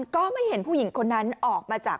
ก็ไม่เห็นผู้หญิงคนนั้นออกมาจาก